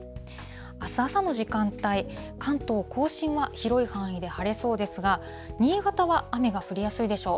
あす朝の時間帯、関東甲信は広い範囲で晴れそうですが、新潟は雨が降りやすいでしょう。